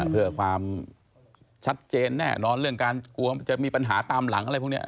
เพื่อความชัดเจนแน่นอนเรื่องการกลัวจะมีปัญหาตามหลังอะไรพวกนี้